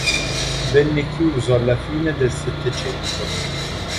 Venne chiuso alla fine del Settecento.